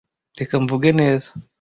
Reka mvuge neza.